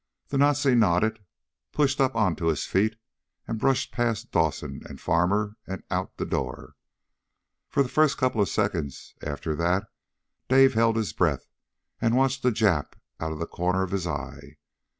The Nazi nodded, pushed up onto his feet and brushed past Dawson and Farmer and out the door. For the first couple of seconds after that Dave held his breath and watched the Jap out the corner of his eye.